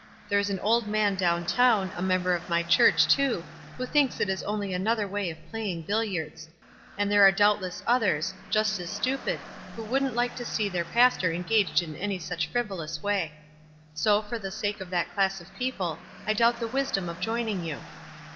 There is on old man down town, a member of my church, too, who thinks it is only another way of playing billiards ; and there are doubtless others, just as stupid, who wouldn't like to see their pastor engaged in any such frivolous way. So, for the sake of that class <of people, I doubt the wisdom of joining you."